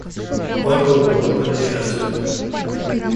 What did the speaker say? Он был глубоко несчастлив.